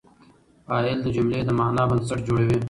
فاعل د جملې د معنی بنسټ جوړوي.